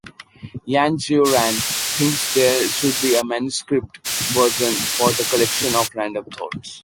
Yan Xiaoran thinks there should be a “manuscript” version for the Collection of Random Thoughts.